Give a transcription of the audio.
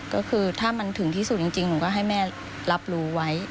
ก็คือถ้ามันถึงที่สุดจริงหนูก็ให้แม่รับรู้ไว้